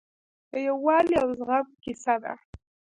د یووالي او زغم کیسه ده.